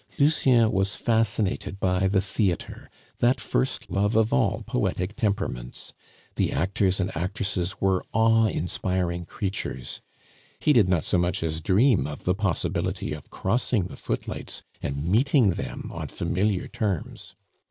Lucien was fascinated by the theatre, that first love of all poetic temperaments; the actors and actresses were awe inspiring creatures; he did not so much as dream of the possibility of crossing the footlights and meeting them on familiar terms.